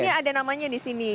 ini ada namanya di sini